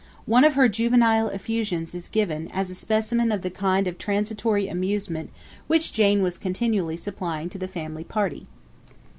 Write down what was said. One of her juvenile effusions is given, as a specimen of the kind of transitory amusement which Jane was continually supplying to the family party.